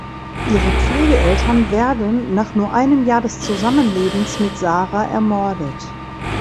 Ihre Pflegeeltern werden nach nur einem Jahr des Zusammenlebens mit Sarah ermordet.